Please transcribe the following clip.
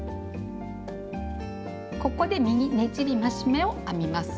ここで「右ねじり増し目」を編みます。